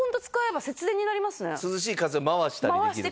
涼しい風を回したりできるから。